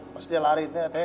pas dia lari teh ya teh